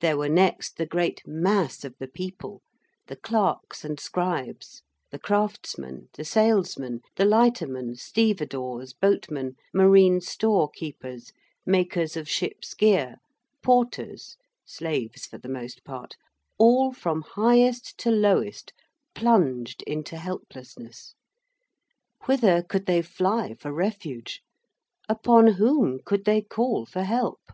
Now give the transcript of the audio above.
There were next the great mass of the people, the clerks and scribes, the craftsmen, the salesmen, the lightermen, stevedores, boatmen, marine store keepers, makers of ships' gear, porters slaves for the most part all from highest to lowest, plunged into helplessness. Whither could they fly for refuge? Upon whom could they call for help?